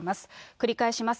繰り返します。